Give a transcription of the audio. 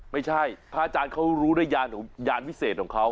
ไม่ใช่พระอาจารย์เขารู้ด้วยยานวิเศษของเขา